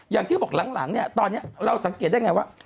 อย่างที่บอกหลังเนี่ยตอนนี้เราสังเกตได้ไงว่า